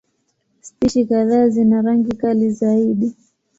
Spishi kadhaa zina rangi kali zaidi.